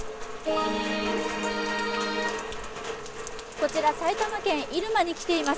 こちら埼玉県入間に来ています。